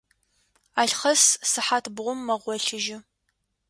Алхъас сыхьат бгъум мэгъолъыжьы.